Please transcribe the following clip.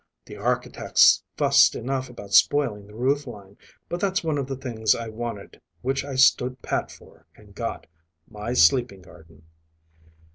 The architects fussed enough about spoiling the roof line, but that's one of the things I wanted which I stood pat for and got my sleeping garden."